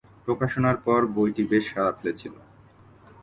প্রকাশনার পর বইটি বেশ সাড়া ফেলেছিল।